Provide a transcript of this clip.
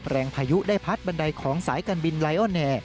พายุได้พัดบันไดของสายการบินไลออนแอร์